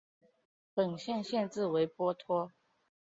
本县县治为波托。